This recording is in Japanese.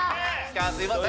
すいません。